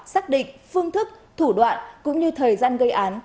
xác định phương thức thủ đoạn cũng như thời gian gây án